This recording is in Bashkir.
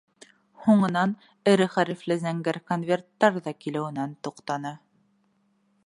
Һуңынан эре хәрефле зәңгәр конверттар ҙа килеүенән туҡтаны.